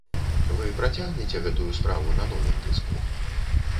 Вы працягнеце гэтую справу на новым дыску?